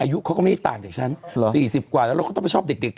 อายุเขาก็ไม่ได้ต่างจากฉันหรอสี่สิบกว่าแล้วเขาต้องไปชอบดึก